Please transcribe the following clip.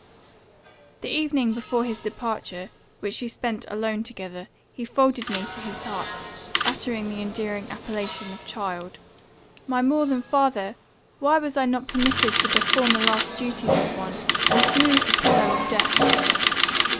"The evening before his departure, which we spent alone together, he folded me to his heart, uttering the endearing appellation of 'child.' My more than father! why was I not permitted to perform the last duties of one, and smooth the pillow of death?